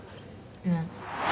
うん。